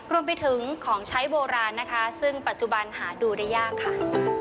รวมไปถึงของใช้โบราณนะคะซึ่งปัจจุบันหาดูได้ยากค่ะ